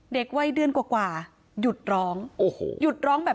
เด็กไหว้เดือนกว่าหยุดร้องหยุดร้องแบบ